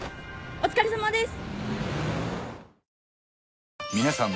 お疲れさまです！